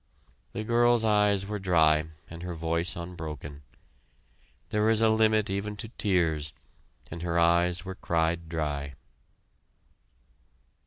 The girl's eyes were dry and her voice unbroken. There is a limit even to tears and her eyes were cried dry.